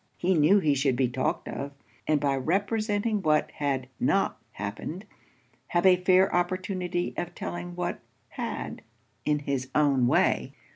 He knew he should be talked of; and by representing what had not happened, have a fair opportunity of telling what had, in his own way.